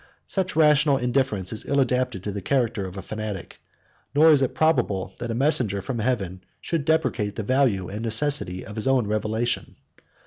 Such rational indifference is ill adapted to the character of a fanatic; nor is it probable that a messenger from heaven should depreciate the value and necessity of his own revelation.